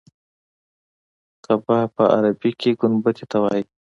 قبه په عربي کې ګنبدې ته وایي.